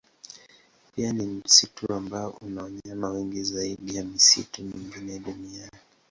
Pia ni msitu ambao una wanyama wengi zaidi ya misitu mingine duniani.